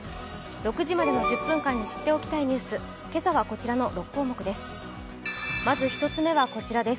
６時までの１０分間に知っておきたいニュース、今朝はこちらの６項目です。